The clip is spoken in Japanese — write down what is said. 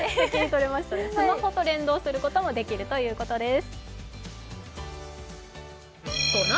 スマホと連動することもできるということです。